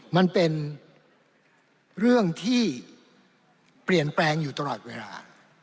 มันเป็นเรื่องที่เปลี่ยนแปลงอยู่ตลอดเวลา